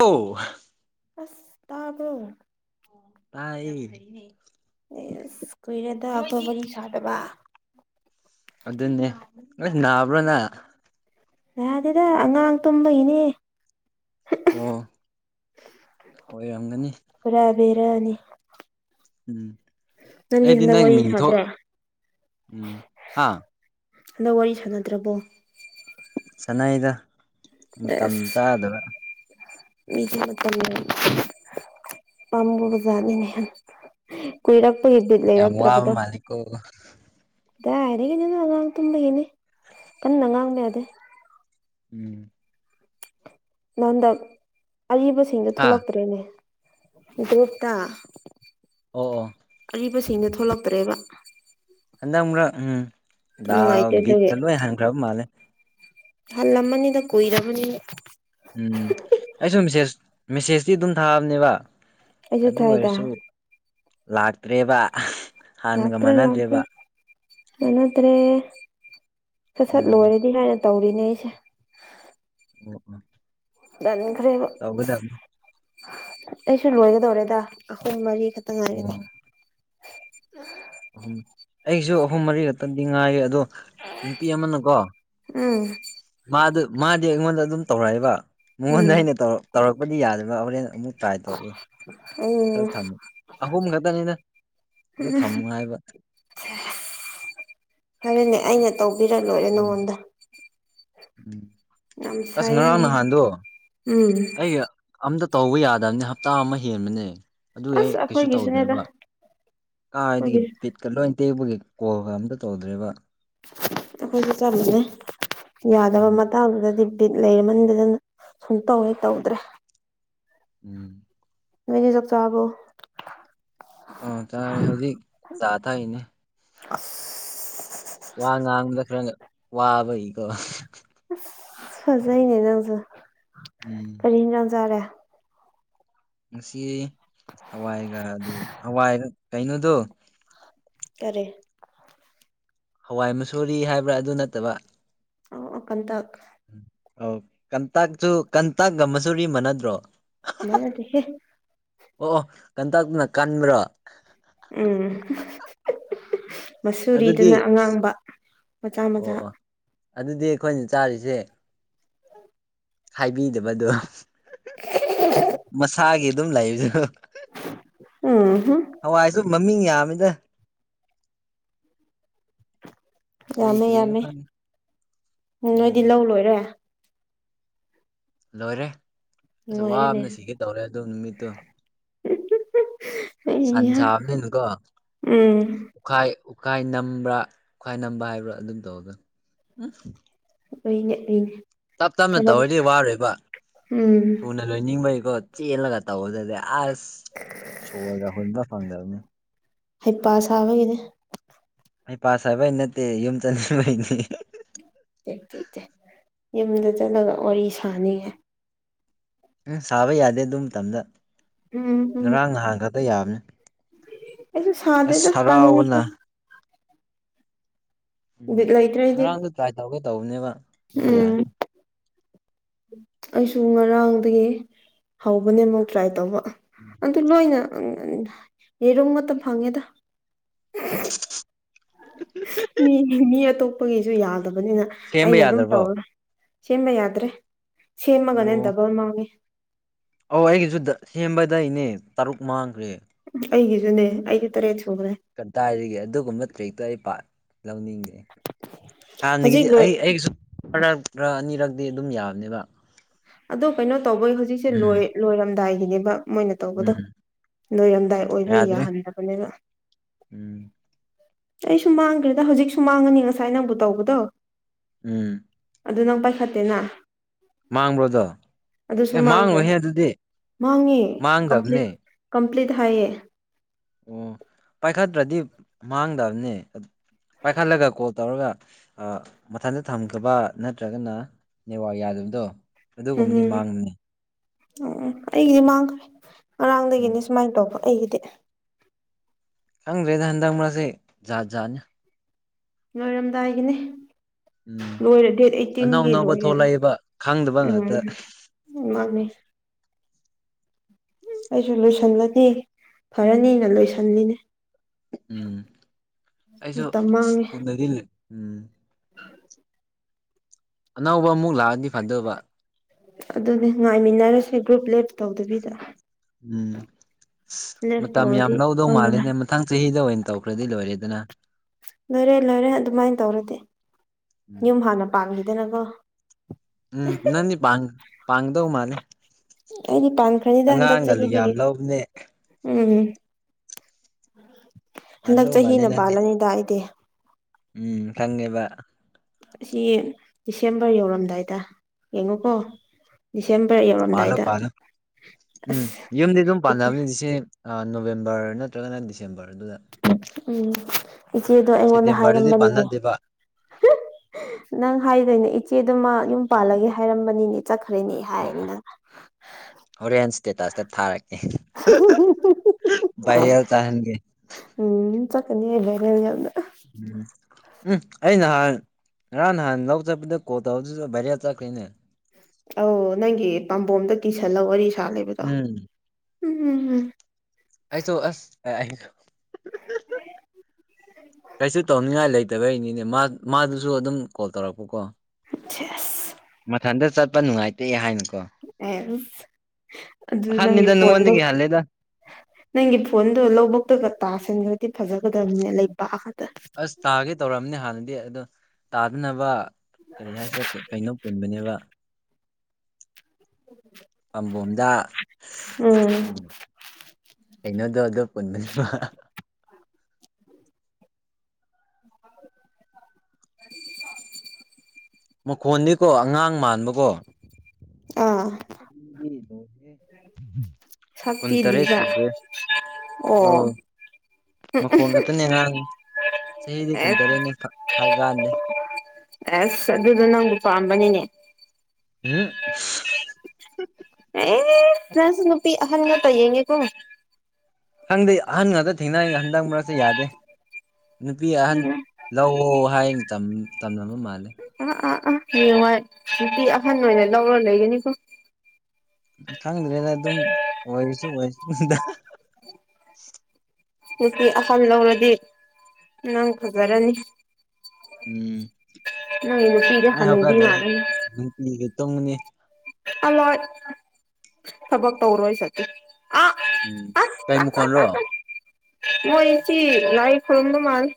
ꯑꯣ ꯑꯁ ꯇꯕꯔꯣ ꯇꯥꯏ ꯀꯨꯏꯔꯦꯗ ꯀꯣ ꯋꯥꯔꯤ ꯁꯥꯗꯕ ꯑꯗꯨꯅꯦ ꯅꯣꯏ ꯅꯥꯕ꯭ꯔꯅ ꯅꯥꯗꯦꯗ ꯑꯉꯥꯡ ꯇꯨꯝꯕꯒꯤꯅꯦ ꯑꯣ ꯑꯣꯏꯔꯝꯒꯅꯤ [unintelligible] ꯑꯅꯤ ꯎꯝ ꯅꯪꯗꯤ ꯑꯩꯗꯤ ꯍꯟꯗꯛ ꯅꯪ ꯋꯥꯔꯤ ꯃꯤꯡꯗꯣ ꯁꯥꯗ꯭ꯔꯣ ꯎꯝ ꯍꯥ ꯍꯟꯗꯛ ꯋꯥꯔꯤ ꯁꯥꯟꯅꯗ꯭ꯔꯕꯣ ꯁꯅꯩꯗ ꯃꯇꯝ ꯑꯁ ꯆꯥꯗꯕ [unintelligible] ꯄꯝꯃꯨꯕꯖꯥꯠꯅꯦꯅꯦ ꯍꯥꯏ ꯀꯨꯏꯔꯛ ꯑꯩ ꯕꯤꯠ ꯌꯥꯝ ꯋꯥꯕ ꯂꯩꯔꯛꯇ꯭ꯔꯕꯗꯣ ꯃꯥꯜꯂꯤꯀꯣ ꯗꯥꯏꯗꯒꯤ ꯅꯣꯅ ꯉꯉꯥꯡ ꯇꯨꯝꯕꯒꯤꯅꯤ ꯀꯟꯅ ꯉꯥꯡꯕ ꯌꯥꯗꯦ ꯎꯝ ꯅꯟꯗꯛ ꯑꯔꯤꯕꯁꯤꯡꯗꯣ ꯍꯥ ꯊꯣꯛꯂꯛꯇ꯭ꯔꯦꯅꯦ ꯒ꯭ꯔꯨꯞꯇ ꯑꯣ ꯑꯣ ꯑꯔꯤꯕꯁꯤꯡꯗ ꯊꯣꯛꯂꯛꯇ꯭ꯔꯦꯕ ꯍꯟꯗꯛ ꯑꯃꯔꯛ ꯎꯝ ꯗꯥ ꯅꯨꯡꯉꯥꯏꯇꯦ ꯑꯗꯨꯒꯤ ꯕꯤꯠꯇ ꯂꯣꯏ ꯍꯟꯈ꯭ꯔꯕ ꯃꯥꯜꯂꯦ ꯍꯜꯂꯝꯃꯅꯤꯗ ꯀꯨꯏꯔꯔꯕꯅꯤ ꯎꯝ ꯑꯩꯁꯨ ꯃꯦꯁꯦꯖ ꯃꯦꯁꯦꯖꯇꯤ ꯑꯗꯨꯝ ꯊꯥꯕꯅꯦꯕ ꯑꯩꯁꯨ ꯑꯗꯨ ꯊꯥꯏꯗ ꯑꯣꯏꯔꯁꯨ ꯂꯥꯛꯇ꯭ꯔꯦꯕ ꯍꯥꯟꯅꯒ ꯂꯛꯇꯔ꯭ꯦ ꯃꯥꯟꯅꯗ꯭ꯔꯦꯕ ꯂꯥꯛꯇꯔ꯭ꯦ ꯅꯠꯇ꯭ꯔꯦ ꯁꯠ ꯁꯠ ꯎꯝ ꯂꯣꯏꯔꯗꯤ ꯍꯥꯏꯅ ꯇꯧꯔꯤꯅꯦ ꯑꯩꯁꯦ [unintelligible] ꯇꯟꯈꯔꯦꯕ ꯇꯧꯒꯗꯕꯅꯦ ꯑꯩꯁꯨ ꯂꯣꯏꯒꯗꯧꯔꯦꯗ ꯄꯨꯡ ꯃꯔꯤ ꯈꯛꯇ ꯉꯥꯏꯔꯦꯗ ꯑꯣ ꯑꯩꯁꯨ ꯑꯍꯨꯝ ꯃꯔꯤ ꯈꯛꯇꯪꯗꯤ ꯉꯥꯏꯔꯤ ꯑꯗꯣ ꯅꯨꯄꯤ ꯑꯃꯅꯀꯣ ꯎꯝ ꯃꯥ ꯃꯥꯗꯤ ꯑꯩꯉꯣꯟꯗ ꯑꯗꯨꯝ ꯇꯧꯔꯛꯏꯕ ꯃꯉꯣꯟꯗ ꯎꯝ ꯑꯩꯅ ꯇꯧꯔ ꯇꯧꯔꯛꯄꯗꯤ ꯌꯥꯗꯕ ꯍꯣꯔꯦꯟ ꯑꯃꯨꯛ ꯇ꯭ꯔꯥꯏ ꯇꯧꯔꯛꯏ ꯈꯔ ꯎꯝ ꯊꯝ ꯑꯍꯨꯝ ꯈꯛꯇꯪꯅꯤꯅ ꯑꯗꯨ ꯊꯝꯃꯨ ꯍꯥꯏꯕ ꯑꯗꯨꯨꯅꯦ ꯑꯩꯅ ꯇꯧꯕꯗ ꯂꯣꯏꯔꯦ ꯎꯝ ꯅꯉꯣꯟꯗ ꯌꯥꯝ ꯑꯁ ꯉꯔꯥꯡ ꯁꯥꯏꯌꯦꯅꯦꯍꯦ ꯅꯍꯥꯟꯗꯣ ꯎꯝ ꯑꯩ ꯑꯝꯇ ꯇꯧꯕ ꯌꯥꯗꯕꯅꯦ ꯍꯞꯇꯥ ꯑꯃ ꯍꯦꯟꯕꯅꯦ ꯑꯗꯨꯒꯤ ꯑꯩ ꯑꯁ ꯀꯩꯁꯨ ꯑꯩꯈꯣꯏꯒꯤꯁꯨꯅꯦꯗ ꯇꯧꯗ꯭ꯔꯦꯕ ꯀꯥꯏꯗꯒꯤ ꯑꯩꯈꯣꯏꯒꯤ ꯕꯤꯠ ꯕꯤꯠꯀ ꯂꯣꯏꯅ ꯇꯦꯛꯄꯒꯤ ꯀꯣꯜꯒ ꯑꯝꯇ ꯇꯧꯗ꯭ꯔꯦꯕ ꯑꯩꯈꯣꯏꯁꯨ ꯆꯠꯁꯤꯅꯦ ꯌꯥꯗꯕ ꯎꯝ ꯃꯇꯥꯡꯗꯨꯗꯗꯤ ꯕꯤꯠ ꯂꯩꯃꯟꯗꯗꯅ ꯁꯨꯝ ꯇꯧꯋꯦꯍꯦꯛ ꯇꯧꯗ꯭ꯔꯦ ꯎꯝ ꯅꯣꯢꯗꯤ ꯆꯛ ꯆꯔꯕꯣ ꯑ ꯆꯥꯔꯦ ꯍꯧꯖꯤꯛ ꯆꯥ ꯊꯛꯏꯅꯦ ꯑꯁ ꯋꯥ ꯉꯥꯡꯕꯗ ꯋꯥꯕꯩꯀꯣ ꯑꯁ ꯐꯖꯩꯅꯦ ꯅꯪꯁꯨ ꯎꯝ ꯀꯔꯤ ꯏꯟꯁꯟ ꯆꯥꯔꯦ ꯉꯁꯤ ꯍꯋꯥꯏꯒ ꯑꯗꯨ ꯍꯋꯥꯏ ꯀꯩꯅꯣꯗꯣ ꯀꯔꯤ ꯍꯋꯥꯏ ꯃꯁꯨꯔꯤ ꯍꯥꯏꯕ꯭ꯔꯥ ꯑꯗꯨ ꯅꯠꯇꯕ ꯑꯣ ꯑꯣ ꯀꯟꯇꯛ ꯑ ꯀꯟꯇꯛꯇꯨ ꯀꯟꯇꯛꯒ ꯃꯁꯨꯔꯤ ꯃꯥꯟꯅꯗ꯭ꯔꯣ ꯃꯅꯗꯤꯍꯦ ꯑꯣ ꯑꯣ ꯀꯟꯇꯛꯅ ꯀꯟꯕ꯭ꯔꯥ ꯎꯝ ꯑꯗꯨꯗꯤ ꯃꯁꯨꯨꯔꯤꯗꯨꯅ ꯑꯉꯥꯡꯕ ꯃꯆꯥ ꯑꯣ ꯃꯆꯥ ꯑꯣ ꯑꯗꯨꯗꯤ ꯑꯩꯈꯣꯏꯅ ꯆꯥꯔꯤꯁꯦ [inaudible] ꯍꯥꯏꯕꯤꯗꯕꯗꯣ ꯃꯁꯥꯒꯤ ꯑꯗꯨꯝ ꯂꯩꯗꯨꯅ ꯎꯝ ꯍꯨꯝ ꯍꯋꯥꯏꯁꯨ ꯃꯃꯤꯡ ꯌꯥꯝꯃꯤꯗ ꯀꯔꯤ ꯌꯥꯝꯃꯦ ꯀꯔꯤꯅꯣ ꯌꯥꯝꯃꯦ ꯈꯪꯗꯦ ꯎꯝ ꯅꯣꯏꯗꯤ ꯂꯧ ꯂꯣꯏꯔꯦ ꯂꯣꯏꯔꯦ ꯑꯁ ꯅꯨꯡꯉꯥꯏꯔꯦꯅꯦ ꯋꯥꯕꯅ ꯁꯤꯒꯦ ꯇꯧꯔꯦ ꯑꯗꯨ ꯅꯨꯃꯤꯠꯇꯨ ꯑꯩꯍꯥ ꯁꯟꯖꯥꯕꯅꯤꯅꯀꯣ ꯎꯝ ꯎꯈꯥꯏ ꯎꯈꯥꯏ ꯅꯝꯕ꯭ꯔꯥ ꯎꯠꯈꯥꯏ ꯅꯝꯕ ꯍꯥꯏꯕ꯭ꯔꯥ ꯑꯗꯨꯝ ꯇꯧꯔꯒꯅ ꯎꯝ ꯂꯣꯏ ꯅꯠꯂꯤꯅꯦ ꯇꯞ ꯇꯞꯅ ꯇꯧꯔꯗꯤ ꯋꯥꯔꯣꯏꯕ ꯎꯝ ꯊꯨꯅ ꯂꯣꯏꯅꯤꯡꯕꯩꯀꯣ ꯆꯦꯜꯂꯒ ꯇꯧꯕꯗꯗꯤ ꯑꯁ ꯁꯣꯔꯒ ꯍꯣꯟꯕ ꯉꯝꯗꯕꯅꯦ ꯍꯩꯄꯥ ꯁꯥꯕꯒꯤꯅꯦ ꯑꯩ ꯄ ꯁꯥ ꯍꯥꯏꯕ ꯑꯩ ꯅꯠꯇꯦ ꯌꯨꯝ ꯆꯟꯅꯤꯡꯕꯩꯅꯤ ꯇꯦꯛ ꯇꯦꯛ ꯇꯦꯛ ꯌꯨꯝꯗ ꯆꯠꯂꯒ ꯋꯥꯔꯤ ꯁꯥꯅꯤꯡꯉꯦ ꯎꯝ ꯁꯥꯕ ꯌꯥꯗꯦ ꯑꯗꯨ ꯃꯇꯝꯗ ꯎꯝ ꯎꯝ ꯉꯔꯥꯡ ꯅꯍꯥꯟ ꯈꯛꯇ ꯌꯥꯕꯅꯤ ꯑꯩꯁꯨ ꯁꯥꯗꯦꯗ ꯑꯁ ꯇꯉꯁ ꯍꯔꯥꯎꯕꯅ ꯎꯝ ꯕꯤꯠ ꯂꯩꯇ꯭ꯔꯦ ꯑꯩꯗꯤ ꯉꯔꯥꯡꯗ ꯇ꯭ꯔꯥꯏ ꯇꯧꯒꯦ ꯇꯧꯕꯅꯦꯕ ꯑꯗꯨ ꯌꯥꯏ ꯎꯝ ꯑꯩꯁꯨ ꯉꯔꯥꯡꯗꯒꯤ ꯍꯧꯕꯅꯦ ꯑꯃꯨꯛ ꯇ꯭ꯔꯥꯏ ꯇꯧꯕ ꯑꯗꯨ ꯂꯣꯏꯅ ꯌꯦꯔꯨꯝ ꯉ ꯐꯪꯉꯦꯗ ꯏꯆ ꯃꯤ ꯃꯤ ꯑꯇꯣꯞꯄꯒꯤꯁꯨ ꯌꯥꯗꯕꯅꯤꯅ ꯁꯦꯝꯕ ꯑꯩꯅ ꯑꯗꯨꯝ ꯌꯥꯗ꯭ꯔꯕꯣ ꯇꯧꯔ ꯁꯦꯝꯃ ꯌꯥꯗ꯭ꯔꯦ ꯑꯣ ꯁꯦꯝꯃꯒꯅꯦꯟ ꯗꯕꯎꯜ ꯃꯥꯅꯤ ꯑꯧ ꯑꯩꯒꯤꯁꯨ ꯁꯦꯝꯕꯗꯅꯦ ꯇꯔꯨꯛ ꯃꯥꯡꯈ꯭ꯔꯦ ꯑꯩꯒꯤꯁꯨꯅꯦ ꯑꯩꯒꯤ ꯇꯔꯦꯠ ꯁꯨꯈꯦ ꯀꯗꯥꯏꯗꯒꯤ ꯑꯗꯨꯒꯨꯝꯕ ꯇ꯭ꯔꯦꯛꯇ ꯑꯩ ꯄꯥ ꯂꯧꯅꯤꯡꯗꯦ ꯍꯥꯟꯅꯒꯤꯗꯤ ꯍꯧꯖꯤꯛ ꯂꯣꯏ ꯑꯩ ꯑꯩꯒꯤꯁꯨ ꯃꯔ ꯑꯅꯤꯔꯛꯇꯤ ꯑꯗꯨꯝ ꯌꯥꯕꯅꯦꯕ ꯑꯗꯣ ꯀꯩꯅꯣ ꯇꯧꯕꯩ ꯍꯧꯖꯤꯛꯁꯦ ꯎꯝ ꯂꯣꯏ ꯂꯣꯏꯔꯝꯗꯥꯏꯒꯤꯅꯦꯕ ꯃꯣꯏꯅ ꯇꯧꯕꯗꯣ ꯎꯝ ꯅꯣꯏꯔꯝꯗꯥꯏ ꯑꯣꯏꯕꯤ ꯌꯥꯗ꯭ꯔꯦ ꯌꯥꯍꯟꯗꯕꯅꯤꯅ ꯎꯝ ꯑꯩꯁꯨ ꯃꯥꯡꯈ꯭ꯔꯦꯗ ꯍꯧꯖꯤꯛꯁꯨ ꯃꯥꯡꯉꯅꯤ ꯉꯁꯥꯏ ꯅꯪꯕꯨ ꯇꯧꯕꯗꯣ ꯎꯝ ꯑꯗꯨ ꯅꯪ ꯄꯥꯏꯈꯠꯇꯦꯅ ꯃꯥꯡꯕ꯭ꯔꯣꯗꯣ ꯑꯗꯨꯁꯨ ꯑꯦ ꯃꯥꯡꯈ꯭ꯔꯦ ꯃꯥꯡꯂꯣꯏꯍꯦ ꯑꯗꯨꯗꯤ ꯃꯥꯡꯉꯦ ꯀꯝꯄ꯭ꯂꯤꯠ ꯃꯥꯡꯗꯕꯅꯦ ꯀꯝꯄ꯭ꯂꯤꯠ ꯍꯥꯏꯌꯦ ꯑꯣ ꯄꯥꯏꯈꯠꯇ꯭ꯔꯗꯤ ꯃꯥꯡꯗꯕꯅꯦ ꯄꯥꯏꯈꯠꯂꯒ ꯀꯣꯜ ꯇꯧꯔꯒ ꯃꯊꯟꯇ ꯊꯝꯒꯕ ꯅꯠꯇ꯭ꯔꯒꯅ ꯅꯦꯋꯥꯔ ꯌꯥꯗꯕꯗꯣ ꯎꯝ ꯑꯗꯨꯒꯨꯝꯕꯅꯤ ꯃꯥꯡꯕꯅꯤ ꯎꯝ ꯑꯩꯒꯤꯗꯤ ꯃꯥꯡꯈ꯭ꯔꯦ ꯎꯝ ꯉꯔꯥꯡꯗꯒꯤꯅꯤ ꯁꯨꯃꯥꯏꯅ ꯇꯧꯕ ꯑꯩꯒꯤꯗꯤ ꯈꯪꯗ꯭ꯔꯦꯗ ꯍꯟꯗꯛ ꯃꯔꯁꯤ ꯖꯥꯠ ꯖꯥꯠꯅꯤ ꯂꯣꯏꯔꯝꯗꯥꯏꯒꯤꯅꯤ ꯎꯝ ꯂꯣꯏꯔꯦ ꯗꯦꯠ ꯑꯅꯧ ꯑꯩꯠꯇꯤꯟꯒꯤ ꯑꯅꯧꯕ ꯂꯣꯏꯔꯦ ꯊꯣꯛꯂꯛꯏꯕ ꯈꯪꯗꯕ ꯉꯥꯛꯇ ꯎꯝ ꯎ ꯃꯥꯅꯤ ꯑꯩꯁꯨ ꯂꯣꯏꯁꯜꯂꯗꯤ ꯐꯔꯅꯤꯅ ꯂꯣꯏꯁꯜꯂꯤꯅꯦ ꯎꯝ ꯑꯩꯁꯨ ꯃꯇꯝ ꯑꯁ ꯄꯨꯡꯗꯗꯤ ꯎꯝ ꯎ ꯑꯅꯧꯕ ꯑꯃꯨꯛ ꯂꯥꯛꯑꯗꯤ ꯐꯗꯕ ꯑꯗꯨꯗꯤ ꯉꯥꯏꯃꯤꯟꯅꯔꯁꯦ ꯒ꯭ꯔꯨꯞ ꯂꯦꯞ ꯇꯧꯗꯕꯤꯗ ꯎꯝ ꯂꯦꯞ ꯃꯇꯝ ꯌꯥꯝ ꯇꯧꯔꯗꯤ ꯂꯧꯗꯧ ꯈꯪꯕ꯭ꯔꯥ ꯃꯥꯜꯂꯦꯅꯦ ꯃꯊꯪ ꯆꯍꯤꯗ ꯑꯣꯏꯅ ꯇꯧꯈ꯭ꯔꯗꯤ ꯂꯣꯏꯔꯦꯗꯅ ꯂꯣꯏꯔꯦ ꯂꯣꯏꯔꯦ ꯑꯗꯨꯃꯥꯏꯅ ꯇꯧꯔꯗꯤ ꯎꯝ ꯌꯨꯝ ꯍꯥꯟꯅ ꯄꯥꯟꯝꯈꯤꯗꯅꯀꯣ ꯎꯝ ꯅꯅꯤ ꯄꯥꯡ ꯄꯥꯡꯥꯡꯗꯧ ꯃꯥꯅꯦ ꯑꯩꯗꯤ ꯄꯥꯟꯈ꯭ꯔꯅꯤꯗ ꯍꯟꯗꯛ ꯌꯥꯝ ꯆꯍꯤꯗꯒꯤ ꯂꯧꯕꯅꯦ ꯎꯝꯝ ꯍꯟꯗꯛ ꯄꯥꯟꯗꯧ ꯃꯥꯜꯂꯦ ꯆꯍꯤꯅ ꯅꯪꯗꯤ ꯄꯥꯜꯂꯅꯤꯗ ꯑꯩꯗꯤ ꯎꯝ ꯈꯪꯉꯦꯕ ꯑꯁꯤ ꯗꯤꯁꯦꯝꯕꯔ ꯌꯧꯔꯝꯗꯥꯏꯗ ꯌꯦꯡꯉꯨꯀꯣ ꯗꯤꯁꯦꯝꯕꯔ ꯌꯧ ꯄꯥꯜꯂꯣ ꯄꯥꯜꯂꯣ ꯎꯝ ꯌꯨꯝꯗꯤ ꯑꯗꯨꯝ ꯄꯥꯅꯕꯅꯤꯗꯤ ꯁꯤ ꯅꯣꯕꯦꯝꯕꯔ ꯅꯠꯇ꯭ꯔꯒꯅ ꯗꯤꯁꯦꯝꯕꯔ ꯑꯗꯨꯗ ꯎꯝ ꯏꯆꯦꯗꯣ ꯑꯩꯉꯣꯟꯗ ꯁꯦꯞꯇꯦꯝꯕꯔꯗꯗꯤ ꯍꯥꯏꯔꯝꯕꯅꯤꯅꯦ ꯄꯥꯟꯅꯗꯦꯕ ꯅꯪ ꯍꯥꯏꯗꯣꯏꯅꯦ ꯏꯆꯦꯗꯨ ꯃꯥ ꯌꯨꯝ ꯎꯝ ꯄꯥꯜꯂꯒꯦ ꯍꯥꯏꯔꯝꯕꯅꯤꯅꯦ ꯆꯠꯈ꯭ꯔꯦꯅꯦ ꯑꯣ ꯑꯣ ꯍꯥꯏꯅꯪ ꯍꯣꯔꯦꯟ ꯏꯁꯇꯦꯇꯥꯁꯇ ꯊꯥꯔꯛꯀꯦ ꯚꯥꯏꯔꯦꯜ ꯆꯥꯍꯟꯒꯦ ꯎꯝ ꯆꯀꯅꯤ ꯌꯦꯕꯅꯤꯌꯜꯗ ꯎꯝ ꯎꯝ ꯑꯩ ꯅꯍꯥꯟ ꯉꯔꯥꯟ ꯅꯍꯥꯟ ꯂꯧ ꯆꯠꯄꯗ ꯀꯣꯜ ꯇꯧꯔꯗꯨꯁꯨ ꯚꯏꯔꯦꯜ ꯆꯠꯈ꯭ꯔꯦꯅꯦ ꯑꯧ ꯅꯪꯒꯤ ꯄꯥꯝꯕꯣꯝꯗ ꯀꯤꯁꯜꯂ ꯋꯥꯔꯤ ꯁꯥ ꯂꯩꯕ ꯎꯝ ꯑꯩꯗꯣ ꯑꯁ [unintelligible] ꯀꯩꯁꯨ ꯇꯧꯅꯤꯡꯉꯥꯏ ꯂꯩꯇꯕꯩꯅꯤꯅꯦ ꯃꯥ ꯃꯥꯗꯨꯁꯨ ꯑꯗꯨꯝ ꯀꯣꯜ ꯇꯧꯔꯛꯄꯀꯣ ꯊꯦꯁ ꯃꯊꯟꯇ ꯆꯠꯄ ꯅꯨꯡꯉꯥꯏꯇꯦ ꯍꯥꯏꯅꯀꯣ ꯑꯦ ꯑꯗꯨ ꯅꯪꯒꯤ ꯑꯍꯟꯅꯤꯗ ꯐꯟꯗꯣ ꯅꯉꯣꯟꯗꯒꯤ ꯍꯜꯂꯦꯗ ꯅꯪꯒꯤ ꯐꯣꯟꯗꯣ ꯂꯧꯕꯛꯇꯒ ꯇꯥꯁꯟꯈ꯭ꯔꯗꯤ ꯐꯖꯒꯗꯕꯅꯦ ꯂꯩꯕꯥꯛꯗ ꯑꯁ ꯇꯥꯒꯦ ꯇꯧꯔꯝꯅꯦ ꯍꯥꯟꯅꯗꯤ ꯑꯗꯣ ꯇꯥꯗꯅꯕ ꯀꯔꯤ ꯍꯥꯏꯁꯤꯔꯥ ꯀꯩꯅꯣ ꯄꯨꯟꯕꯅꯦꯕ ꯎꯝ ꯄꯥꯝꯕꯣꯝꯗ ꯎꯝ ꯀꯩꯅꯣꯗꯣ ꯑꯗꯨ ꯄꯨꯟꯕꯅꯦꯕ [unintelligible] ꯃꯈꯣꯟꯗꯤꯀꯣ ꯑꯉꯥꯡ ꯃꯥꯟꯕꯀꯣ ꯑꯥ ꯁꯛꯇꯤ ꯀꯨꯟꯇꯔꯦꯠ ꯂꯤꯕ ꯁꯨꯈ꯭ꯔꯦ ꯑꯣ ꯃꯈꯣꯡ ꯈꯛꯇꯅꯦ ꯑꯉꯥꯡ ꯆꯍꯤꯗꯤ ꯑꯦꯁ ꯀꯨꯟꯇꯔꯦꯠꯅꯤ ꯍꯥꯏ ꯀꯥꯟꯗꯦ ꯑꯁ ꯑꯗꯨꯗꯣ ꯅꯪꯕꯨ ꯄꯥꯝꯕꯅꯤꯅꯦ ꯎꯝ ꯑꯦ ꯐꯁ ꯅꯨꯄꯤ ꯑꯍꯜ ꯅ ꯇꯥꯏꯌꯦꯉꯦ ꯀꯣ ꯈꯪꯗꯦ ꯑꯍꯟ ꯉꯥꯛꯇ ꯊꯦꯡꯅꯔꯤꯉ ꯍꯟꯗꯛ ꯃꯔꯛꯁ ꯌꯥꯗꯦ ꯅꯨꯄꯤ ꯑꯍꯟ ꯎꯝ ꯂꯧꯑꯣ ꯍꯥꯏꯅ ꯇꯝꯃꯝꯕ ꯃꯥꯜꯂꯦ ꯑꯥ ꯑꯥ ꯑꯥ ꯌꯦꯡꯋꯥꯏ ꯅꯨꯄꯤ ꯑꯍꯟ ꯑꯣꯏꯅ ꯂꯧꯔ ꯂꯩꯒꯅꯤꯀꯣ ꯈꯪꯗ꯭ꯔꯦꯗ ꯑꯗꯨꯝ ꯑꯣꯏꯔꯁꯨ ꯑꯣꯏꯔꯁꯅꯨꯗ ꯅꯨꯄꯤ ꯑꯍꯟꯂꯧꯔꯗꯤ ꯅꯪ ꯐꯖꯔꯅꯤ ꯎꯝ ꯅ ꯅꯨꯄꯤꯗꯣ ꯍꯅꯨꯕꯤ ꯃꯥꯜꯂꯦ ꯃꯤꯈꯩ ꯇꯨꯡꯉꯅꯤ ꯑꯜꯂꯣꯢ ꯊꯕꯛ ꯇꯧꯔꯣꯏ ꯁꯊ ꯎꯝ ꯀꯩꯃꯈꯣꯟꯔꯣ ꯃꯣꯏ ꯆꯤ ꯂꯥꯏ ꯈꯨꯔꯨꯝꯕ ꯃꯥꯜꯂꯦ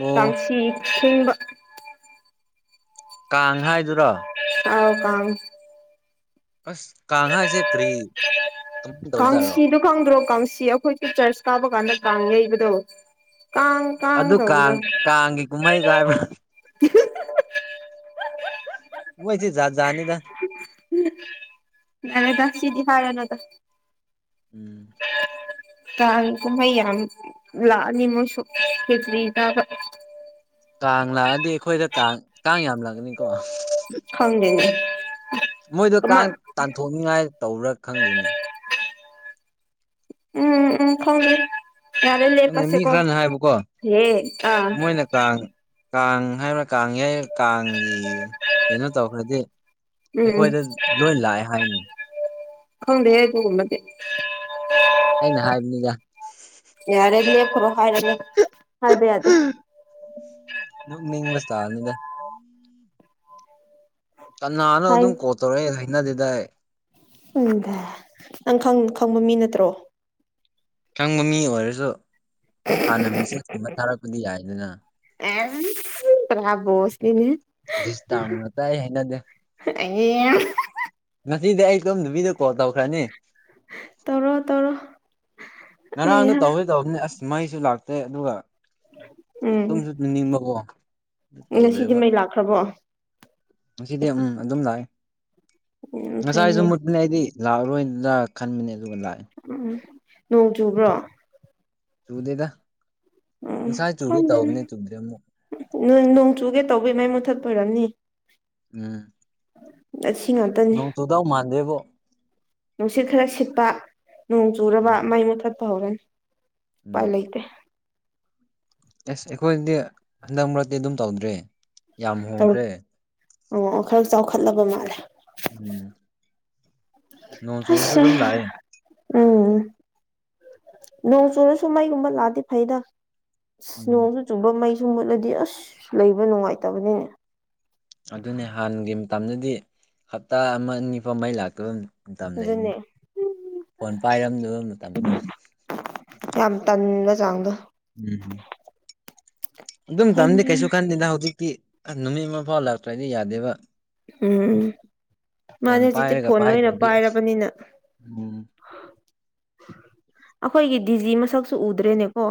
ꯑꯣ ꯇꯥꯡꯁꯤ ꯈꯤꯡꯕ ꯀꯥꯡ ꯍꯥꯏꯗꯨꯔꯣ ꯑꯥꯎ ꯀꯥꯡ ꯑꯁ ꯀꯥꯡ ꯍꯥꯏꯁꯦ ꯀ꯭ꯔꯤ ꯀꯃꯥꯏꯅ ꯇꯧꯖꯔꯣ ꯀꯥꯡꯁꯤꯗꯣ ꯈꯪꯗ꯭ꯔꯣ ꯀꯥꯡꯁꯤ ꯑꯩꯈꯣꯏꯒꯤ ꯆꯔꯆ ꯀꯥꯕ ꯀꯥꯟꯗ ꯀꯥꯡ ꯌꯩꯕꯗꯣ ꯀꯥꯡ ꯀꯥꯡ ꯑꯗꯨ ꯇꯧꯕꯗꯣ ꯀꯥꯡꯒꯤ ꯀꯨꯝꯍꯩꯒ ꯍꯥꯏꯕ꯭ꯔꯥ ꯃꯣꯏꯖꯦ ꯖꯥꯖꯥꯠꯅꯤꯗ ꯑ ꯁꯤꯗꯤ ꯍꯥꯏꯔꯅꯗ ꯎꯝ ꯀꯥꯡ ꯀꯨꯝꯍꯩ ꯌꯥꯝ ꯂꯥꯛꯑꯅꯤ ꯃꯣꯁꯨ ꯈꯦꯆ꯭ꯔꯤ ꯆꯥꯕ ꯀꯥꯡ ꯂꯥꯛꯑꯗꯤ ꯑꯩꯈꯣꯏꯗ ꯀꯥꯡ ꯀꯥꯡ ꯌꯥꯝꯂꯛꯒꯅꯤꯀꯣ ꯈꯪꯗꯦꯅꯦ ꯃꯣꯏꯗꯣ ꯀꯃꯥꯏ ꯀꯥꯡ ꯇꯥꯟꯊꯣꯛꯅꯤꯉꯥꯏ ꯇꯧꯕ꯭ꯔꯥ ꯈꯪꯗꯦꯅꯦ ꯎꯝ ꯎꯝ ꯈꯪꯗꯦ ꯌꯥꯔꯦ ꯈꯪꯗꯦ ꯃꯤ ꯂꯦꯞꯄꯁꯦꯀꯣ ꯈꯔꯅ ꯍꯥꯏꯕꯀꯣ ꯍꯦ ꯑ ꯃꯣꯏꯅ ꯀꯥꯡ ꯀꯥꯡ ꯍꯥꯏꯕ꯭ꯔꯥ ꯀꯥꯡ ꯌꯥꯏ ꯀꯥꯡꯒꯤ ꯀꯩꯅꯣ ꯇꯧꯈ꯭ꯔꯗꯤ ꯑꯩꯈꯣꯏꯗ ꯂꯣꯏ ꯂꯥꯛꯑꯦ ꯍꯥꯏꯅꯤ ꯈꯪꯗꯦ ꯑꯗꯨꯒꯨꯝꯕꯗꯤ ꯑꯩꯅ ꯍꯥꯏ ꯗ ꯌꯥꯔꯦ ꯅꯦꯛꯞꯈ꯭ꯔꯣ ꯍꯥꯏꯔꯅꯦ ꯍꯥꯏꯕ ꯌꯥꯗꯦ ꯅ ꯅꯕꯁ ꯇꯥꯅꯤꯗ ꯀꯅꯥꯅꯣ ꯍꯥꯏ ꯑꯗꯨꯝ ꯀꯣꯜ ꯇꯧꯔꯛꯑꯦ ꯍꯥꯏꯅꯗꯦꯗꯏ ꯎꯝꯗ ꯅꯪ ꯈꯪ ꯈꯪꯕ ꯃꯤ ꯅꯠꯇ꯭ꯔꯣ ꯈꯪꯕ ꯃꯤ ꯑꯣꯏꯔꯁꯨ ꯍꯥꯟꯅ ꯃꯦꯁꯦꯁꯀꯨꯝꯕ ꯊꯥꯔꯛꯄꯗꯤ ꯌꯥꯏꯗꯅ [unintelligible] [unintelligible] ꯑꯩ ꯍꯩꯅꯗꯦ [unintelligible] ꯉꯁꯤꯗꯤ ꯑꯩ ꯇꯨꯝꯗꯕꯤꯗ ꯀꯣꯜ ꯇꯧꯈ꯭ꯔꯅꯤ ꯇꯧꯔꯣ ꯇꯧꯔꯣ ꯉꯔꯥꯡꯅ ꯑꯩꯍꯥ ꯇꯧꯋꯦ ꯇꯕꯅꯤ ꯑꯁ ꯃꯩꯁꯨ ꯂꯥꯛꯇꯦ ꯑꯗꯨꯒ ꯎꯝ ꯇꯨꯝꯁꯨ ꯇꯨꯝꯅꯤꯡꯕꯀꯣ ꯑꯗꯨ ꯉꯁꯤꯗꯤ ꯃꯩ ꯂꯥꯛꯈ꯭ꯔꯕꯣ ꯉꯗꯤ ꯎꯝ ꯑꯗꯨꯝ ꯂꯥꯛꯑ ꯎꯝ ꯉꯁꯥꯏꯁꯨꯨ ꯐꯩꯅꯦ ꯃꯨꯠ ꯂꯦ ꯑꯩꯗꯤ ꯂꯥꯛꯑꯔꯣꯏꯗ꯭ꯔ ꯈꯟꯕꯅꯦ ꯑꯗꯨꯒ ꯂꯥꯛꯑꯦ ꯎꯝ ꯅꯣꯡ ꯆꯨꯕ꯭ꯔꯣ ꯆꯨꯗꯦꯗ ꯉꯁꯥꯏ ꯆꯨꯒꯦ ꯇꯧꯕꯅꯦ ꯆꯨꯗ꯭ꯔꯦ ꯑꯃꯨꯛ ꯅꯣꯡꯆꯨꯒꯦ ꯇꯧꯕꯩꯃꯥꯏ ꯃꯨꯠꯊꯠꯄꯣꯏꯔꯝꯅꯤ ꯎꯝ ꯑꯁꯤ ꯉꯥꯛꯇꯅꯤ ꯗ ꯃꯥꯥꯟꯗꯦꯕꯣ ꯅꯨꯡꯁꯤꯠ ꯈꯔ ꯁꯤꯠꯄ ꯅꯣꯡ ꯆꯨꯔꯕ ꯎꯝ ꯃꯩ ꯃꯨꯊꯠꯄ ꯍꯧꯔꯅꯤ ꯎꯄꯥꯏ ꯎꯝ ꯂꯩꯇꯦ ꯑꯦꯁ ꯑꯩꯈꯣꯏꯗꯤ ꯍꯟꯗꯛ ꯃꯔꯛꯇꯤ ꯑꯗꯨꯝ ꯇꯧꯗ꯭ꯔꯦ ꯌꯥꯝ ꯇꯧ ꯍꯣꯡꯈ꯭ꯔꯦ ꯑꯣ ꯈꯔ ꯆꯥꯎꯈꯠꯂꯕ ꯃꯥꯜꯂꯦ ꯎꯝ ꯅꯣꯡ ꯆꯨꯔꯁꯨ ꯑꯗꯨꯝ ꯂꯥꯛꯑꯦ ꯑ ꯎꯝ ꯅꯣꯡ ꯆꯨꯨꯔꯁꯨ ꯃꯩꯒꯨꯝꯕ ꯂꯥꯛꯑꯗꯤ ꯐꯩꯗ ꯑꯁ ꯎꯝ ꯅꯣꯡꯁꯨ ꯆꯨꯝꯕ ꯃꯩꯁꯨ ꯃꯨꯠꯂꯗꯤ ꯑꯁ ꯂꯩꯕ ꯅꯨꯡꯉꯥꯏꯇꯕꯅꯤꯅꯦ ꯑꯗꯨꯅꯦ ꯍꯥꯟꯅꯒꯤ ꯃꯇꯝꯗꯗꯤ ꯍꯞꯇꯥ ꯑꯃ ꯅꯤꯐ ꯃꯩ ꯂꯥꯛꯇꯕꯅꯤ ꯃꯇꯝ ꯑꯗꯨꯅꯦ ꯂꯩꯔꯤꯅꯤ ꯐꯣꯟ ꯄꯥꯏꯔꯝꯗꯕ ꯃꯇꯝꯗ ꯌꯥꯝ ꯇꯟꯕ ꯆꯥꯡꯗꯣ ꯎꯝ ꯑꯗꯨꯝ ꯇꯝꯗꯤ ꯀꯩꯁꯨ ꯈꯟꯗꯦꯗ ꯍꯧꯖꯤꯛꯇꯤ ꯅꯨꯃꯤꯠ ꯑꯃ ꯐꯥꯎ ꯂꯥꯛꯇ꯭ꯔꯗꯤ ꯌꯥꯗꯦꯕ ꯎꯝ ꯐꯣꯟ ꯃꯥꯅꯦ ꯍꯧꯖꯤꯛꯇꯤ ꯄꯥꯏꯔꯒ ꯐꯣꯟ ꯂꯣꯏꯅ ꯄꯥꯏꯗ꯭ꯔꯗꯤ ꯑꯁ ꯄꯥꯏꯔꯕꯅꯤꯅ ꯎꯝ ꯑꯩꯈꯣꯏꯒꯤ ꯗꯤꯖꯤ ꯃꯁꯛꯁꯨ ꯎꯗ꯭ꯔꯦꯅꯦꯀꯣ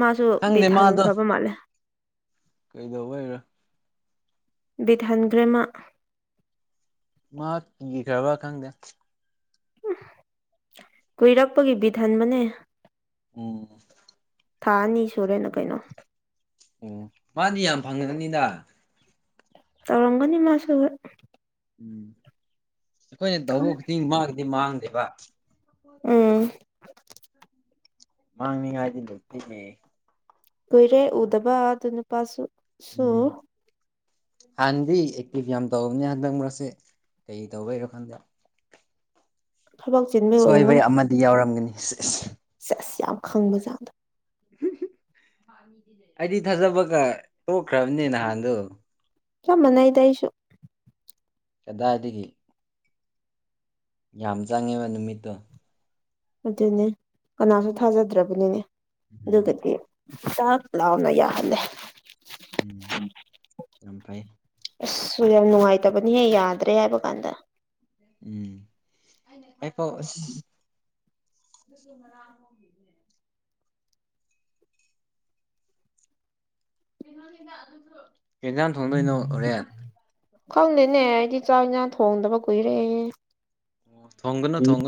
ꯃꯥꯁꯨ ꯈꯪꯗꯦ ꯕꯤꯠ ꯍꯟꯈ꯭ꯔꯕ ꯃꯥꯜꯂꯦ ꯀꯩꯗꯧꯕꯩꯔꯣ ꯕꯤꯠ ꯍꯟꯈ꯭ꯔꯦ ꯃꯥ ꯃꯥ ꯀꯤꯈ꯭ꯔꯕ ꯈꯪꯗꯦ ꯀꯨꯏꯔꯛꯄꯒꯤ ꯕꯤꯠ ꯍꯟꯕꯅꯦ ꯎꯝ ꯊꯥ ꯑꯅꯤ ꯁꯨꯔꯦꯅ ꯀꯩꯅꯣ ꯑꯣ ꯃꯥꯗꯤ ꯌꯥꯝ ꯐꯪꯉꯒꯅꯤꯗ ꯇꯧꯔꯒꯅꯤꯃꯁꯨ ꯍꫭꯏ ꯎꯝ ꯑꯩꯈꯣꯏꯅ ꯇꯧꯕ ꯈꯨꯗꯤꯡ ꯃꯥꯒꯤꯗꯤ ꯃꯥꯡꯗꯦꯕ ꯎꯝ ꯃꯥꯡꯅꯤꯡꯉꯥꯏꯗꯤ ꯂꯩꯇꯦꯅꯦ ꯀꯨꯏꯔꯦ ꯎꯗꯕ ꯑꯗꯨ ꯅꯨꯄꯥꯁꯨ ꯁꯨ ꯎꯝ ꯍꯥꯟꯅꯗꯤ ꯑꯦꯛꯇꯤꯚ ꯌꯥꯝ ꯇꯧꯕꯅꯤ ꯍꯟꯗꯛ ꯃꯔꯁꯦ ꯀꯩ ꯇꯧꯕꯩꯔꯣ ꯈꯪꯗꯦ ꯊꯕꯛ ꯆꯤꯟ ꯁꯣꯏꯕꯩ ꯑꯃꯗꯤ ꯌꯥꯎꯔꯝꯒꯅꯤ [unintelligible] ꯁꯦꯁ ꯌꯥꯝ ꯈꯪꯕ ꯖꯥꯠꯗꯣ [unintelligible] ꯑꯩꯗꯤ ꯊꯥꯖꯕꯒ ꯇꯣꯛꯈ꯭ꯔꯕꯅꯦ ꯅꯍꯥꯟꯗꯣ ꯆꯞ ꯃꯥꯟꯅꯩꯗ ꯑꯩꯁꯨ ꯀꯗꯥꯏꯗꯒꯤ ꯌꯥꯝ ꯆꯪꯉꯦꯕ ꯅꯨꯃꯤꯠꯇꯣ ꯑꯗꯨꯅꯦ ꯀꯅꯥꯁꯨ ꯊꯥꯖꯗ꯭ꯔꯕꯅꯤꯅꯦ ꯎꯝ ꯑꯗꯨꯒꯗꯤ ꯇꯥꯛ ꯂꯥꯎꯅ ꯌꯥꯍꯂꯦ ꯎꯝ ꯑꯝꯩ ꯑꯁꯁꯨ ꯌꯥꯝ ꯅꯨꯡꯉꯥꯏꯇꯕꯅꯤꯍꯦ ꯌꯥꯗ꯭ꯔꯦ ꯍꯥꯏꯕ ꯀꯥꯟꯗ ꯎꯝ ꯏꯣ ꯏꯣꯒ ꯑꯗꯨꯁꯨ ꯈꯪꯗꯦꯅꯦ ꯑꯩꯗꯤ ꯆꯥꯛ ꯏꯟꯁꯥꯡ ꯊꯣꯡꯗꯕ ꯀꯨꯏꯔꯦ ꯑꯣ ꯊꯣꯡꯒꯅ ꯊꯣꯡꯒ